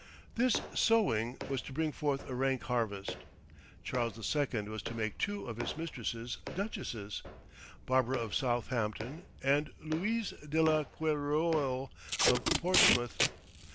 This sowing was to bring forth a rank harvest: Charles II. was to make two of his mistresses duchesses Barbara of Southampton, and Louise de la Querouel of Portsmouth.